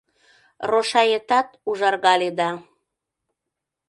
Рошаетат ужаргале да